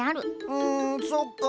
うんそっか。